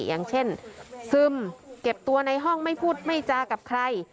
อย่างเช่นซึมเก็บตัวในห้องไม่พูดไม่จากับใคร